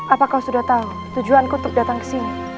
apa kau sudah tahu tujuanku untuk datang ke sini